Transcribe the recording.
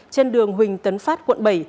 trên đường huỳnh tấn phát quận bảy